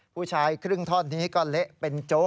ผู้ชายครึ่งท่อนนี้ก็เละเป็นโจ๊ก